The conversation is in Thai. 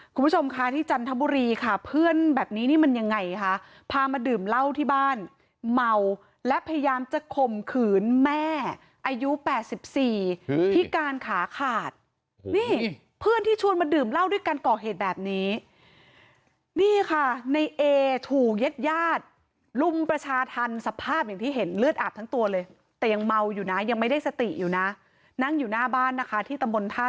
คุณผู้ชมคะที่จันทบุรีค่ะเพื่อนแบบนี้นี่มันยังไงคะพามาดื่มเหล้าที่บ้านเมาและพยายามจะข่มขืนแม่อายุ๘๔พิการขาขาดนี่เพื่อนที่ชวนมาดื่มเหล้าด้วยการก่อเหตุแบบนี้นี่ค่ะในเอถูกเย็ดญาติลุมประชาธรรมสภาพอย่างที่เห็นเลือดอาบทั้งตัวเลยแต่ยังเมาอยู่นะยังไม่ได้สติอยู่นะนั่งอยู่หน้าบ้านนะคะที่ตำบลท่า